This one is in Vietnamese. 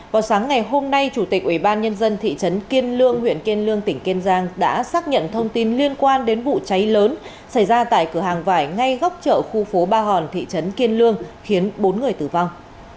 vào sáng ngày hôm nay chủ tịch ubnd thị trấn kiên lương huyện kiên lương tỉnh kiên giang đã xác nhận thông tin liên quan đến vụ cháy lớn xảy ra tại cửa hàng vải ngay góc chợ khu phố ba hòn thị trấn kiên lương khiến bốn người tử vong